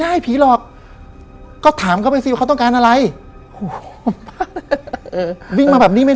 ป้านิมบอกป้านิมบอกป้านิมบอกป้านิมบอกป้านิมบอกป้านิมบอก